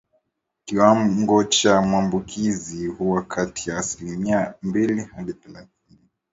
Kiwango cha maambukizi huwa kati ya asilimia mbili hadi thelathini